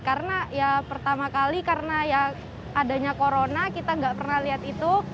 karena ya pertama kali karena ya adanya corona kita nggak pernah lihat itu